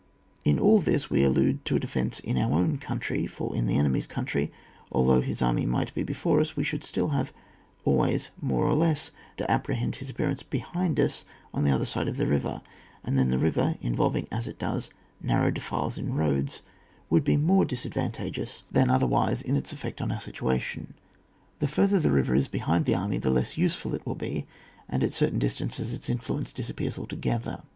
In all this we allude to a defence in our men eotinlry ; for in the enemy's country, although hit army might be before us, we should still have always more or less to apprehend his appearance behind us on the other side of the river, and then the river, in volving as it does narrow defiles in roisds, would be more disadvantageous than CHAP. XIX.] DEFENCE OF STREAMS AND RIVERS. 145 otherwise in its effect on our situation. The further the river is behind the army, the less useful it will be, and at certain distances its influence disappears alto gether.